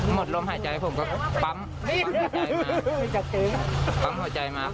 หมดลมหายใจผมก็ป๊ั๊มหัวใจมา